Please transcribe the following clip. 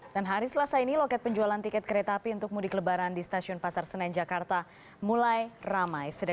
dan hari selasa ini loket penjualan tiket kereta api untuk mudik lebaran di stasiun pasar senen jakarta mulai ramai